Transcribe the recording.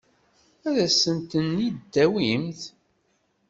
Ad asen-ten-id-tawimt?